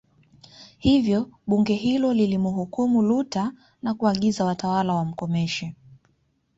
Hivyo Bunge hilo lilimhukumu Luther na kuagiza watawala wamkomeshe